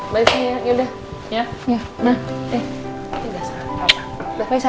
balik sini ya